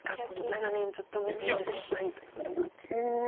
長年ずっと見ている先輩ということもあって。